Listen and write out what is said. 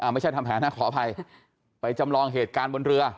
ไม่ใช่ทำแผนนะขออภัยไปจำลองเหตุการณ์บนเรือ